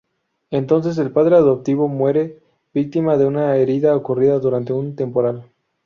Entonces el padre adoptivo muere víctima de una herida ocurrida durante un temporal.